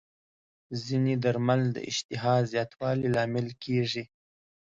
ځینې درمل د اشتها زیاتوالي لامل کېږي.